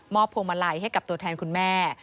พวงมาลัยให้กับตัวแทนคุณแม่